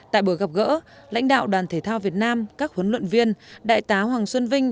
tại buổi gặp gỡ lãnh đạo đoàn thể thao việt nam các huấn luyện viên đại tá hoàng xuân vinh